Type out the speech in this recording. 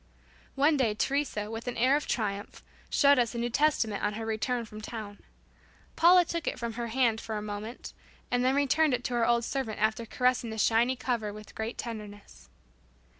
One day, Teresa with an air of triumph, showed us a New Testament on her return from town. Paula took it from her hand for a moment, and then returned it to our old servant after caressing the shining cover with great tenderness.